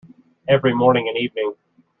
Every morning and evening.